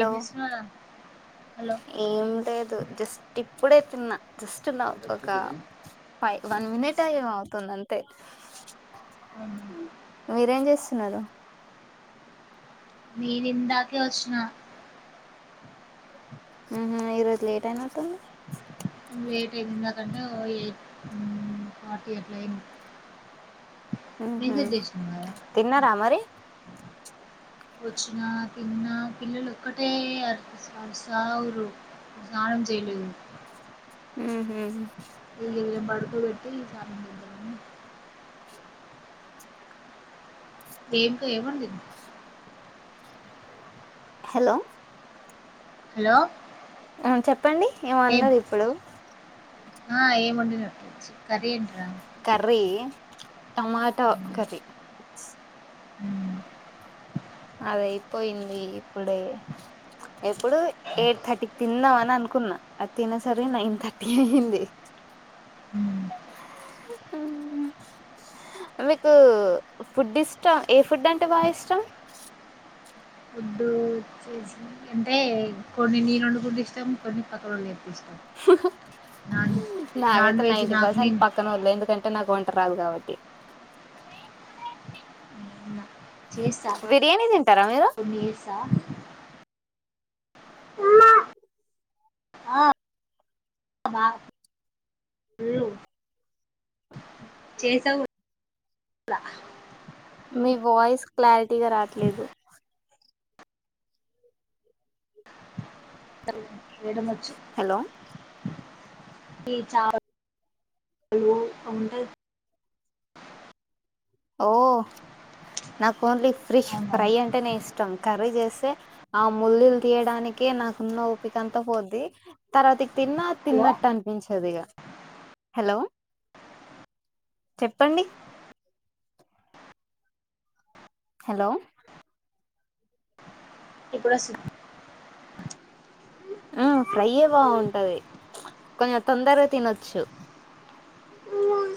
ఏం చేస్తున్నావురా హలో ఎమ్ లేదు జస్ట్ ఇప్ ఇప్పుడే తిన్నా జస్ట్ నౌ ఒక ఫైవ్ వన్ మినిటో ఏమో అవ్ తుంది అంతే మీరేం చేస్తున్నారు నేను ఇందాకే వచ్చిన ఉ హు ఈ రోజు లేట్ అయినటుంది లేటే ఎందకంటే ఓ ఎయిట్ ఫార్టీ అట్లా అయింది. ఉ హ మెసేజ్ చేసిన కదా తిన్నరా మరి వచ్చినా తిన్న పిల్లలు ఒక్కటే అరుపు సౌండ్స్ [unintelligible] తిను ఉ హు పడుకో బెట్టి ఇక అన్నం తిందామని ఎమ్ కు ఎమ్ వండింది హలో హలో ఆ చెప్పండి ఏమో ఏం అన్నరు ఇప్పుడు ఆ ఏము ఉండదు కర్రీ ఏంట్రా కర్రీ టమాట కర్రీ హ అది అయిపోయింది ఇప్పుడే ఎప్పుడు ఎయిట్ థర్టీకి తిందాం అని అనుకు కున్నా ఆ తినేసరికి నైన్ థర్టీ అయింది మ్మ్. అ మీకు ఫుడ్ ఇష్టం ఏ ఫుడ్ అంటే బాగా ఇష్టం ఫుడ్ వచ్చేసి అంటే కొన్ని నేను వండుకుంటే ఇష్టాం కొన్ని పక్కనోళ్లు చేస్తే నాన్ నాకైతే వెజ్ నైంటి నాకు పర్సెంట్ నేను పక్కనోళ్లే ఎందుకంటే నాకు వంట రాదు కాబట్టి బిర్యానీ తింటారా మీరు దా అమ్మ బా చేసావు ఇట్ల మీ వాయిస్ క్లారిటీగా రాట్లేదు మేడమొచ్చి హలో ఏ చారు లోతు ఉంటది ఓ నాకు ఓన్లీ ఫీష్ అవునా ఫ్రై అంటే నే ఇష్టం కర్రీ చేస్తే ఆ ముల్లులు తీయడానినకే నాకున్న ఓపికంత పోద్ది తర్వాత తిన్నా హలో తిన్నట్టు అనిపించదు ఇగా హలో చెప్పండి హలో ఎప్పుడొస్తరు ఫ్రై యే బాగుంటది కొంచెం తొందరగా తినొచ్చు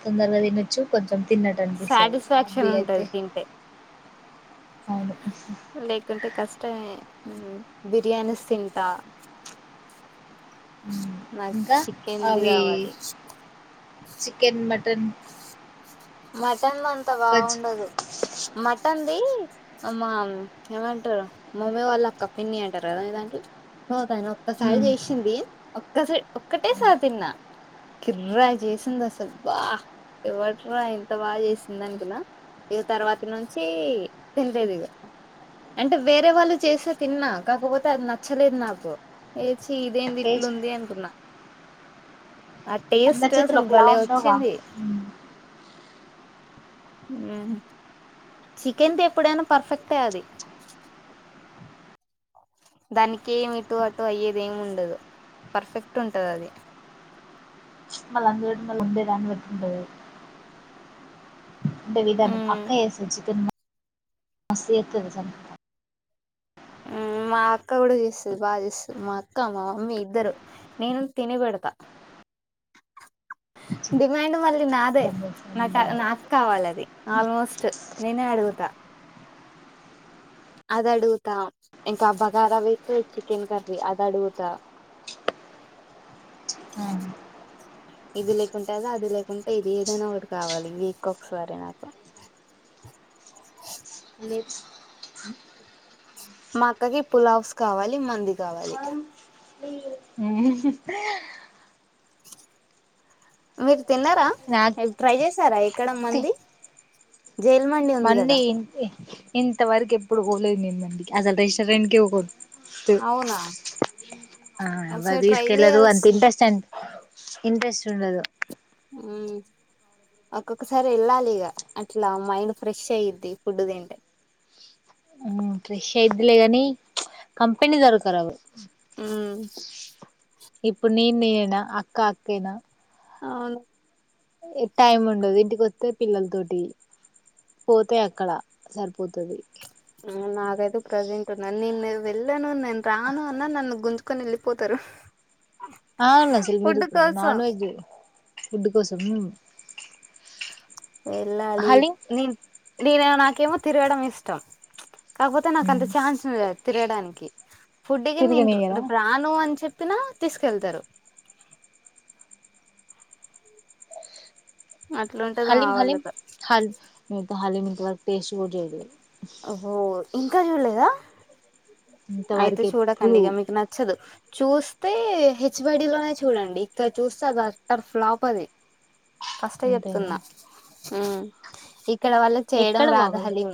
తొందరగా తినొచ్చు కొంచెం తిన్నట్టు అనిపిస్తది అది సాటిస్ఫాక్షన్ అయితే ఉంటది తింటే అవును అంటే బిర్యానీ స్ తింటా ఉమ్. నాకు ఇంకా చికెన్ది అవి కావాలి చికెన్ మటన్ మటన్ అంత వెజ్ బాగుండదు మటన్ది అమ్మా ఏమంటారు మమ్మీ వాళ్ళ అక్క పిన్ని అంటారు కదా మీ దాంట్లో తను ఒక్కసారి చేసింది అసలు ఒక్కటే సారి తిన్నా కిర్రాక్ చేసింది అసలు అబ్బా ఎవరు వావ్ ఇంత బాగా చేసింది అనుకున్న ఇగ తర్వాత నుంచి తింటలేదు ఇగ అంటే వేరే వాళ్ళు చేస్తే తిన్నా కాకపోతే అది నచ్చలేదు నాకు ఇదేంది టేస్ట్ ఇట్లుంది అనుకున్నా ఆ అందరి టేస్ట్ చేతులు అసలు ఒకలా భలే ఉండవుగా వచ్చింది మ్మ్ హు చికెన్ది ఎప్పుడైనా పర్ఫెక్టే అది దానికి ఏమి ఇటు అటు అయ్యేది ఏమి ఉండదు పర్ఫెక్ట్ ఉంటది అది ప్చ్ మల్లా అందులోకి మల్ల ఉండే దాన్ని బెట్టుకుంటది అ విధానం అక్క ఉమ్ చేస్తది చికెన్ మస్తు చెత్తది మ్మ్ హ్ మా అక్క కూడా చేస్తుంది బాగా చేస్తుంది మా అక్క మా మమ్మీ ఇద్దరు నేను తిని పెడుతా డిమాండ్ మళ్ళ నాది అదే నాకు కావాలి అది ఆల్మోస్ట్ నేనే అడుగుతా అదడుగుతా ఇంకా బగారా విత్ చికెన్ కర్రీ అదడుగుతా ఉమ్ ఇది లేకుంటే అది అది లేకుంటే ఇది ఏదైనా ఒకటి కావాలి ఇది వీక్ కి ఒకసారి నాకు మా అక్కకి పులావ్స్ కావాలి మండి కావాలి మీరు తిన్నారా నాకు ట్రై చేసారా ఎక్కడ మండి జైలు ఉంది కదా మండీ ఇంతవరకు ఎప్పుడు పోలేదు నేను మండికి అసలు రెస్టారెంట్ కే పోలేదు అవునా బ ఒకసారి ట్రై తీస్కెళ్లదు అంత చేయాల్సింది ఇంట్రెస్ట్ అం ఇంట్రెస్ట్ ఉండదు ఉమ్ ఒక్కొక్కసారి వెళ్ళాలి ఇక అట్లా మైండ్ ఫ్రెష్ అయ్యద్ది ఫుడ్ తింటే ఉమ్ ఫ్రెష్ అయిద్లే గానీ ప్చ్ కంపెనీ దొరకారు అవ ఉమ్ ఇప్పుడు నేనేనా అక్కా అక్క ఏనా అవును టైం ఉండదు ఇంటికొస్తే పిల్లల తోటి పోతే అక్కడ సరిపోతది నాకైతే ప్రెజెంట్ ఉన్నా నేను వెళ్ళను నేను రాను అన్నా నన్ను గుంజుకొని వెళ్ళిపోతారు అవును అసలు మీరు ఫుడ్ కోసం నాన్ వెెజ్ ఫుడ్ కోసం వెళ్ళాలి హలీం నీ నేనే నాకేమో తిరగడం ఇష్టం కాకపోతే నాకు అంత ఛాన్స్ ఉంది తిరడానికి ఫుడ్ గి తిరగనియ్యరా నేను రాను అని చెప్పి తిన తీసుకెళ్తారు అట్లుంటది మా హలీం హలీం వాళ్ళతో హల్ హలీం ఇంతవరకు టేస్ట్ కూడా చేయలేదు ఓహో ఇంకా చూడలేదా అయితే ఇంతవరకు చూడకండి ఎప్పుడు ఇక మీకు నచ్చదు చూస్తే హెచ్ బైడి లోనే చూడండి ఇక్కడ చూస్తే అది అట్టర్ ఫ్లాప్ అది ఫస్ట్ ఏ అంతేనా చెప్తున్నా ఉమ్ ఇక్కడ వాళ్ళకి చేయడం ఎక్కడ రాదు బాగోదు హలీం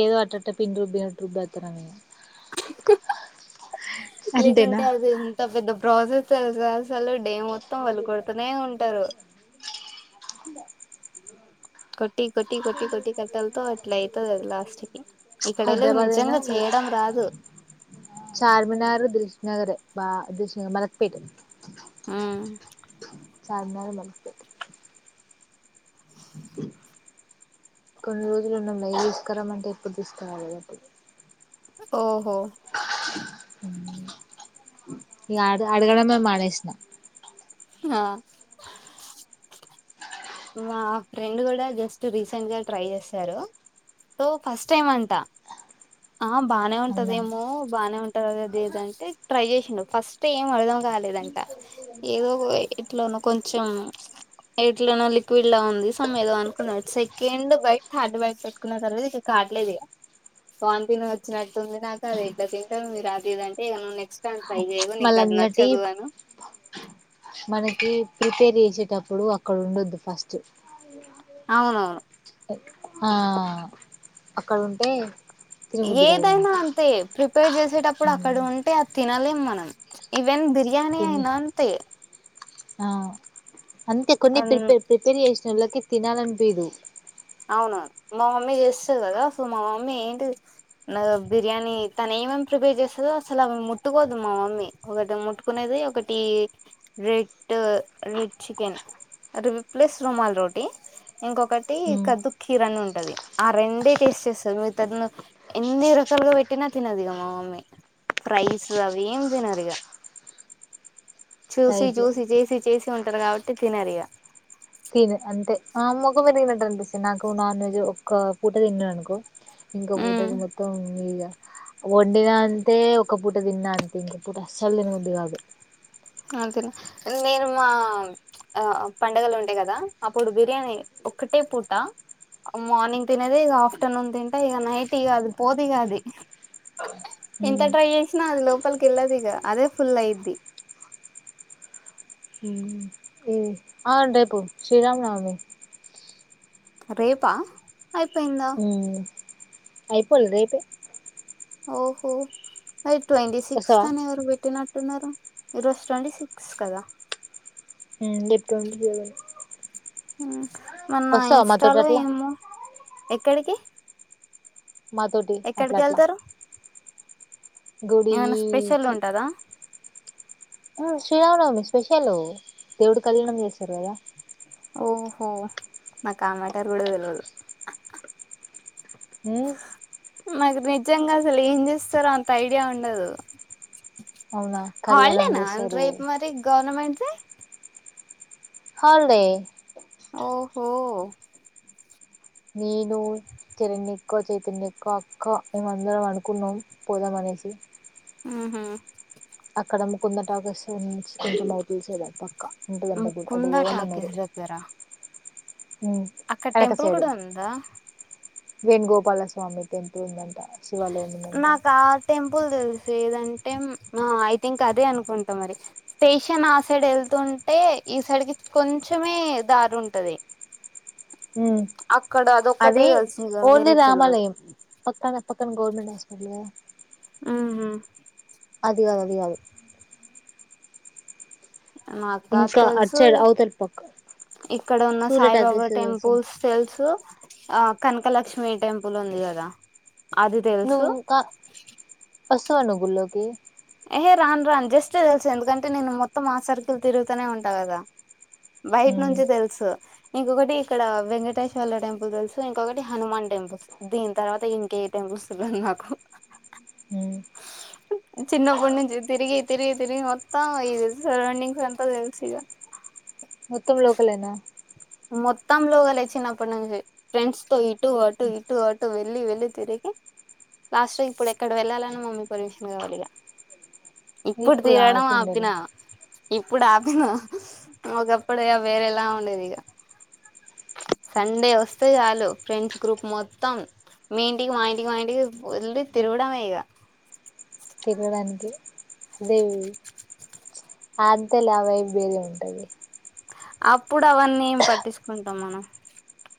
ఏదో అట్టట్ట పిండి రుబ్బినట్టు రబ్బెత్తరు అని అంతేనా లేకుంటే అది ఎంత పెద్ద ప్రాసెస్ తెలుసా అసలు డే మో త్తం వెళ్ళు కొడుతూనే ఉంటారు కొట్టి కొట్టి కొట్టి కొట్టి కట్టలతో అట్లా అయితుది లాస్ట్ కి ఇక్కడోళ్ళకి హైదరాబాద్ అయినా నిజంగా చేయడం రాదు చార్మినార్ దిల్షుబ్ నగర్ బా [unintelligible] మలపేట్ ఉమ్ చార్మినార్ మల్లపేట్ కొన్ని రోజులున్నా లే తీసుకురమ్మంటే అంటే ఎప్పుడు తీసుకురాలే అప్పుడ ఓహో ఇంగ అడుగడమే మానేశం ఆ మా ఫ్రెండ్ కూడా జస్ట్ రీసెంట్ గా ట్రై చేశారు సో ఫస్ట్ టైమ్ అంటా ఆ బానే అవునా ఉంటదేమో బాగానే ఉంటది అదేదంటే ట్రై చేసిండు ఫస్ట్ టైమ్ కాలేదంట ఏదో ఇట్లో కొంచెం ఎట్లనో వళ్ళ ఉంది సమ్ ఏదో అనుకున్నాడు సెకండ్ బైట్ థర్డ్ బైట్ పెట్టుకున్న తర్వాత ఇక కాట్లేదు ఇక వాంతింగ్ వచ్చినట్టు ఉంది నాకు అది ఇట్లా తింటను మీరు అది అంటే నెక్స్ట్ టైమ్ ప్చ్ మళ్ళన్నటి మనకి ప్రిపేర్ చేసేటప్పుడు అక్కడ ఉండొద్దు ఫస్ట్ అవునవును ఆ అక్కడ ఉంటే తినబుద్ది కాదు ఏదైనా మనకి అంతే ప్రిపేర్ చేసేటప్పుడు అక్కడ ఉంటే అది తినలేం మనం ఇవి ఇవేన్ బిర్యానీ తిని అయినా అంతే ఆ అంతే కొన్ని ప్రిపే ప్రిపేర్ చేసిన వాళ్ళకి తినాలనిపిదు అవునవును మా మమ్మీ చేస్తాది కదా సో మా మమ్మీ ఏంటి నా బిర్యానీ తను ఏమేం ప్రిపేర్ చేస్తదిో అసలు అవి ముట్టుకోద్దు మా మమ్మీ ఒకటి ముట్టుకునేది ఒకటి రే డ్ చికెన్ రిప్లస్ రుమాల్ రోటీ ఇంకొకటి కదు కీర అని ఉంటది ఆ రెండే టేస్ట్ చేస్తది మీరు తను ఎన్ని రకాలుగా పెట్టినా తినది ఇగ మ మమ్మీ ప్రైస్ అవి ఎం తినరీగ చూసి రైస్ చూసి చేసి చేసి ఉంటారు కాబట్టి తినరు ఇగ తిను అంతే అమ్మ ఒక మరి తిినట్ అనిపిస్తది నాకు నాన్ వెజ్ ఒక్క పూట తిన్నాననుకో ఇంకొ పూటకి మొత్తం ఇగ వండిన అంతే ఒక పూట తిన్నా అంతే ఇంకొ పూట అస్సలు తినబుద్దు కాదు అంతే నేను మా ఆ పండగలు ఉంటాయి కదా అప్పుడు బిర్యానీ ఒక్కటే పూట మార్నింగ్ తినేది ఇగ ఆఫ్టర్నూన్ తింటే ఇగ నైట్ ఇగ అది పోదు ఇగ అది ఎంత ఉమ్ ట్రై చేసినా అది లోపలికి వెళ్ళదు ఇగ అదే ఫుల్ అయిద్ది అవును రేపు శ్రీరామనవమి రేపా అయిపోయిందా ఉమ్ అయిపోలే రేపే ఓహో మరి ట్వంట సిక్స్ వస్తావా అని ఎవరో పెట్టి నట్ టున్నారు ఈ రోజు ట్వంటీ సిక్స్ కదా హుమ్ రేపు ట్వంటి సేవన్ హుమ్ మొన్న ఇన్స్టాలో అట్లా ఏమో ఎక్కడికి మాతోోటి ఎక్కడికి అట్లట్లట్ల వెళ్తారు ఏమైనా స్పెషల్ గుడిీకి ఉంటదా ఓ శ్రీరామనవమి స్పెషల్ దేవుడి కళ్యాణం చేస్తరు కదా ఓహో నాకు ఆ మేటర్ కూడా వెలవదు హుమ్ నాకు నిజంగా అసలు ఏం చేస్తారో అంత ఐడియా ఉండదు అవునా కళ్యాణం హల్డేనా అం చేస్తారు రేపు మరి గవర్నమెంట్ ది హాలీడ్ ఓహో నేను చిిరన్యక్క చైతన్యక్క అక్క మేమ అందరం అనుకున్నాం పోదామని నేసి మ్ హు అక్కడ ముకుందట టాకీస్ కొంచెం అవుతలుసదది పక్కా ఉంటుందంట గుడడి అటు ముకుంద పోదామన్నారు టాకీస్ దగ్గర హు అక్కడ వెనక టెంపుల్ సైడు కూడా ఉందా వేణుగోపాలస్వామి టెంపుల్ ఉందంట శివాలయం ఉందంట టెంపుల్ ప్పుల్ తెలిసేదంటే ఆ ఐ థింక్ అదే అనుకుంటాం మరి స్టేషన్ ఆ సైడ్ వెళ్ అంటే ఈ సైడ్కి కొంచమే దారి ఉంటది హు అక్కడ అదొక్కటే అది తెలుసు ఇగ ఓన్లీ వేరే తెల్వదు రామాలయం కొత్తగ పక్కన గవర్నమెంట్ హాస్పిటల్ కదా మ్ హు అది కదూ అది కాదు మాకా ద్ ఇంకా అటు తెలుసు సైడ్ అవతలి పక్క ఇక్కడ ఉన్న సూర్య సాయిబాబా టాకీస్ తెలుసా టెంపుల్స్ తెలుసు ఆ కనకలక్ష్మి టెంపుల్ ఉంది కదా అది తెలుసు నువ్వు కా వస్తావా నువ్ గుడిలోకి ఏహే రాను రాన్ జస్ట్ తెలుసు, ఎందుకంటే నేను మొత్తం ఆ సర్కిల్ తిరుగుతనే ఉంటా కదా బయటి ఉమ్ నుంచి తెలుసు ఇంకొకటి ఇక్కడ వెంకటేశ్వర్ల టెంపుల్ తెలుసు, ఇంకొకటి హనుమాన్ టెంపుల్స్, దీని తర్వాత ఇంకే టెంపుల్ లుసు గని నాకు ఉమ్ చిన్నప్పుడు నుంచి తిరిగి తిరిగి తిరిగి మొత్తం, ఈది సరౌండింగ్స్ అంతా తెలుసు ఇగా మొత్తం లోకలేనా మొత్తం లోగలె చిన్నప్పటినుంచి, ఫ్రెండ్స్ తో ఇటు అటు ఇటు అటు వెళ్లి వెళ్ళి తిరిగి లాస్ట్ ఇప్పుడు ఎక్కడ వెళ్ళాలన్న మమ్మీ పర్మిషన్ కావాలి ఇగ ఇప్పుడు తరగడం ఆపినా ఇప్పుడు ఆపిన, ఒకప్పుడు ఇగ వేరేలా ఉండేది ఇగ సండే వస్తే చాలు, ఫ్రెండ్స్ గ్రూప్ మొత్తం మీ ఇంటికి మా ఇంటికి మా ఇంటికి వెళ్లి తిరగడమే ఇగ తిరగడానికి అదేం ఆద్దెలావైబేది ఉంటది. అప్పుడు అవన్నీ ఏం పట్టించుకుంటం మనం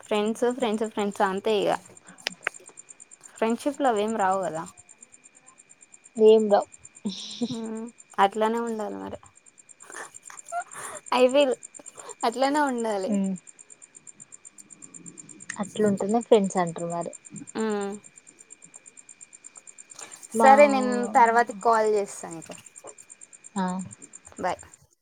ఫ్రెండ్స్ ఫ్రెండ్స్ ఫ్రెండ్స్ అంతే ఇగ. ఫ్రెండ్షిప్ లో అవేం రావు గదా ఏం రావు అట్లనే ఉండాలె మరి, ఐ విల్ అట్ లనే ఉండాలి. ఉమ్ అట్లుంటనే ఫ్రెండ్స్ అంటరు మరి. మ్ మా సరే నిన్ తర్వాతకి కాల్ చేస్తా నీకు. ఆ బాయ్